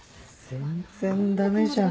全然駄目じゃん。